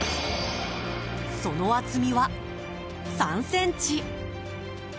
その厚みは、３ｃｍ。